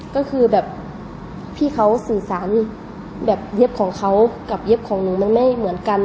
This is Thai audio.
ก็คือแบบพี่เขาสื่อสารแบบเย็บของเขากับเย็บของหนูมันไม่เหมือนกัน